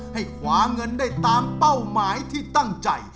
ให้คว้าเงินได้ตามเป้าหมายที่ตั้งใจ